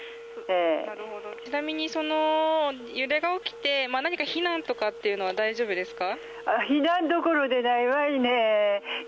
ちなみに揺れが起きて何か避難とかというのは大丈夫ですか。